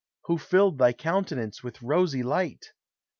Who filled thy countenance with rosy light?